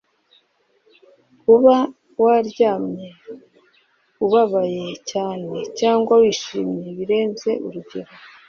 kuba waryamye ubabaye cyane cyangwa wishimye birenze urugero